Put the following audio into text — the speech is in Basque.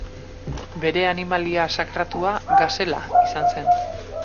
Bere animalia sakratua, gazela izan zen.